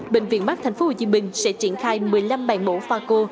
bệnh viện mắt tp hcm sẽ triển khai một mươi năm bàn mổ pha cô